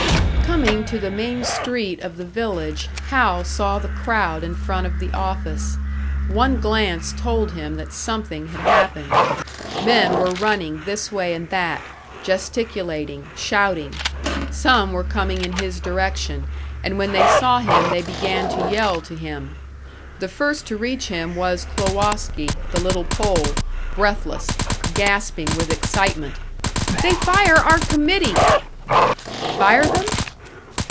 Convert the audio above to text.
Coming to the main street of the village, Hal saw the crowd in front of the office. One glance told him that something had happened. Men were running this way and that, gesticulating, shouting. Some were coming in his direction, and when they saw him they began to yell to him. The first to reach him was Klowoski, the little Pole, breathless; gasping with excitement. "They fire our committee!" "Fire them?"